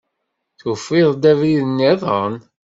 Tufiḍ-d abrid-nniḍen?